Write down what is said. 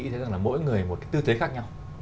thấy rằng là mỗi người một cái tư thế khác nhau